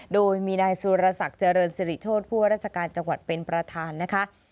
โดยมีนายสุรศักดิ์เจริญสิริโชธผู้ว่าราชการจังหวัดเป็นประธานนะคะ